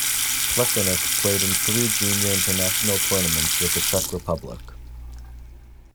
Plekanec played in three junior international tournaments with the Czech Republic.